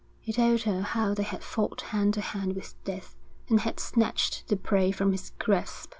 He told her how they had fought hand to hand with death and had snatched the prey from his grasp.